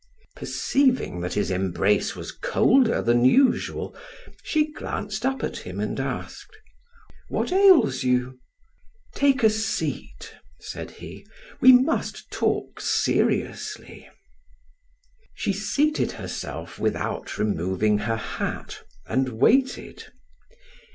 Perceiving that his embrace was colder than usual, she glanced up at him and asked: "What ails you?" "Take a seat," said he. "We must talk seriously." She seated herself without removing her hat, and waited.